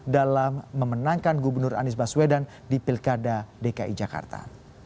dalam memenangkan gubernur anies baswedan di pilkada dki jakarta